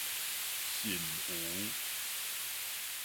腎盂